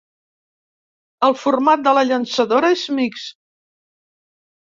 El format de la llançadora és mixt.